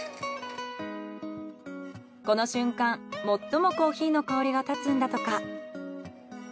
この瞬間最もコーヒーの香りが立つんだとか。